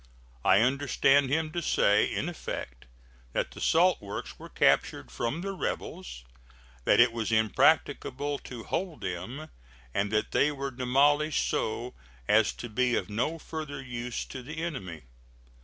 I understand him to say, in effect, that the salt works were captured from the rebels; that it was impracticable to hold them, and that they were demolished so as to be of no further use to the enemy.